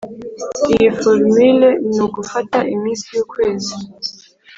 iyi forumule ni ugufata iminsi y’ukwezi